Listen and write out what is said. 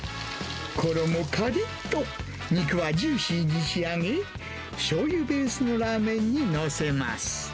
衣かりっと、肉はジューシーに仕上げ、しょうゆベースのラーメンに載せます。